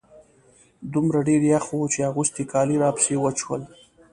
دومره ډېر يخ و چې اغوستي کالي راپسې وچ شول.